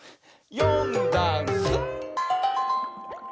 「よんだんす」